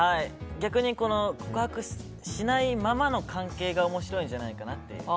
逆に告白しないままの関係が面白いんじゃないかなと。